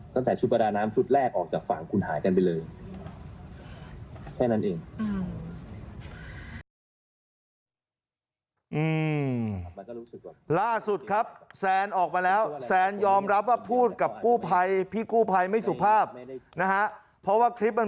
ตั้งแต่ชุดประดาน้ำชุดแรกออกจากฝั่งคุณหายกันไปเลยแค่นั้นเอง